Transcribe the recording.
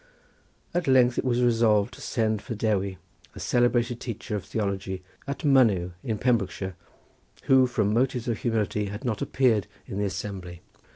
At length it was resolved to send for Dewi, a celebrated teacher of theology at Mynyw in Pembrokeshire, who from motives of humility had not appeared in the assembly.